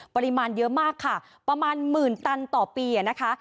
ปริมาณเยอะมากค่ะประมาณหมื่นตันต่อปีนะคะ